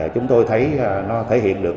chúng tôi thấy nó thể hiện được